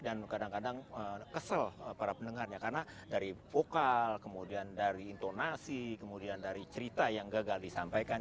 kadang kadang kesel para pendengarnya karena dari vokal kemudian dari intonasi kemudian dari cerita yang gagal disampaikan